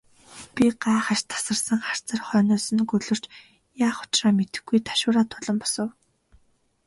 Би гайхаш тасарсан харцаар хойноос нь гөлөрч, яах учраа мэдэхгүй ташуураа тулан босов.